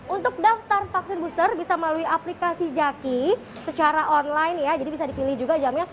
untuk daftar vaksin booster bisa melalui aplikasi jaki secara online ya jadi bisa dipilih juga jamnya